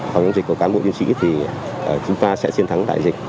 của những dịch của cán bộ nhân sĩ thì chúng ta sẽ chiến thắng đại dịch